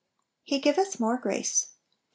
14 He giveth more grace." — Jab.